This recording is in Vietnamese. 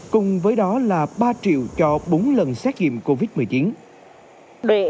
cùng với đó là ba triệu cho bốn lần xét nghiệm covid một mươi chín